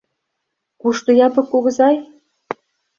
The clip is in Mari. — Кушто Япык кугызай?